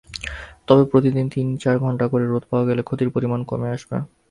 তবে প্রতিদিন তিন-চার ঘণ্টা করে রোদ পাওয়া গেলে ক্ষতির পরিমাণ কমে আসবে।